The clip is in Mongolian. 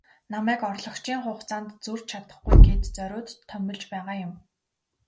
Намайг орлогчийн хугацаанд зөрж чадахгүй гээд зориуд томилж байгаа юм.